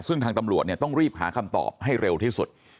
ซึ่งทางตำรวจเนี่ยต้องรีบหาคำตอบให้เร็วที่สุด